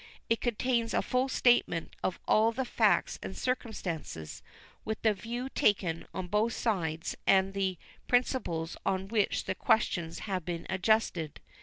It contains a full statement of all the facts and circumstances, with the views taken on both sides and the principles on which the questions have been adjusted.